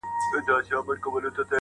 شپه په ورو ورو پخېدلای!!